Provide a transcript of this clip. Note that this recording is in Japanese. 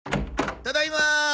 ただいま。